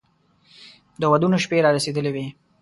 د ودونو شپې را رسېدلې وې.